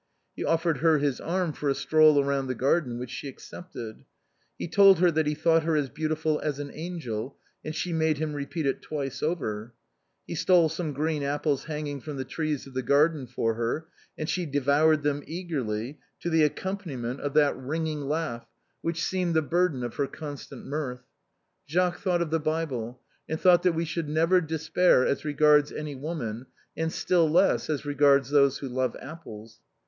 He offered her his arm for a stroll round the garden which she accepted. Ho told her that he thought her as beautiful as an angel, and she made him repeat it twice over ; he stole some green apples hanging from the trees of the garden for her, and she devoured francine's muff. 247 them eagerly to the accompaniment of that ringing laugh which seemed the burden of her constant mirth. Jacques thought of the Bible, and thought that we should never despair as regards any woman, and still less as regards those who love apples.